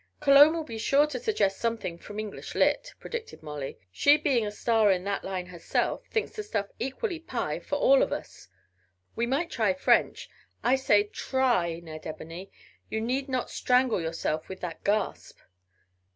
"Cologne will be sure to suggest something from English Lit." predicted Molly. "She being a star in that line herself thinks the stuff equally pie for all of us. We might try French I said 'try,' Ned Ebony; you need not strangle yourself with that gasp!"